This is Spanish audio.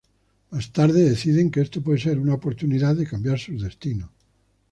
Más tarde, deciden que esto puede ser una oportunidad de cambiar sus destinos.